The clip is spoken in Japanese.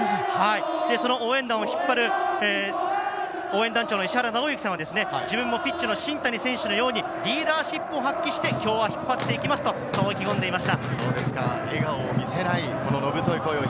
応援団を引っ張る応援団長の石原尚征さんは自分もピッチの新谷選手のようにリーダーシップを発揮して、今日は引っ張っていきますと意気込んでいました。